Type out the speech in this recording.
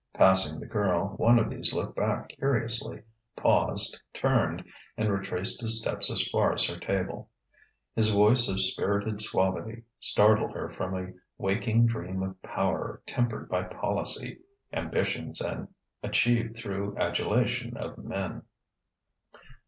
Passing the girl, one of these looked back curiously, paused, turned, and retraced his steps as far as her table. His voice of spirited suavity startled her from a waking dream of power tempered by policy, ambitions achieved through adulation of men....